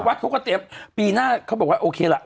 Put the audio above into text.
อลุนวัสซ์เขาก็เจ็บปีหน้าเขาบอกว่าโอเคละ